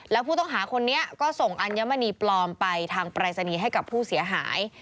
แล้วผู้ต้องหาคนนี้ก็ส่งอัญมณีปลอมไปทางปรายศนีย์ให้กับผู้เสียหาย